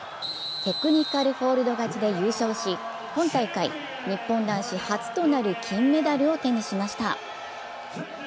テクニカルフォール勝ちで優勝し、今大会日本男子初となる金メダルを手にしました。